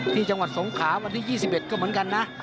ที่จังหวัดสงขาวันที่๒๑ก็เหมือนกันนะ